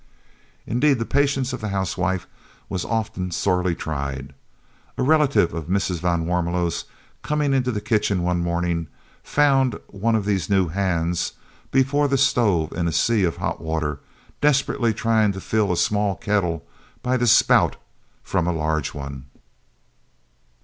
Indeed, the patience of the housewife was often sorely tried. A relative of Mrs. van Warmelo's coming into the kitchen one morning, found one of these new "hands" before the stove in a sea of hot water, desperately trying to fill a small kettle by the spout, from a large one!